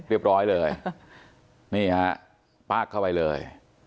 เรียบร้อยเลยนี่ฮะป๊ากเข้าไปเลย